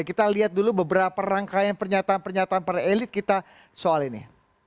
kita lihat dulu beberapa rangkaian pernyataan pernyataan para elit kita soal ini